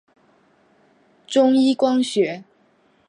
中一光学。